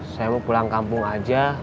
saya mau pulang kampung aja